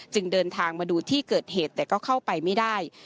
เดินทางมาดูที่เกิดเหตุแต่ก็เข้าไปไม่ได้